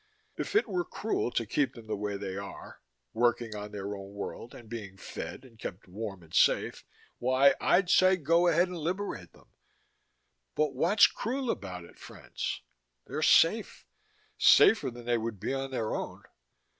If it were cruel to keep them the way they are, working on their own world and being fed and kept warm and safe, why, I'd say go ahead and liberate them. But what's cruel about it, friends? They're safe safer than they would be on their own.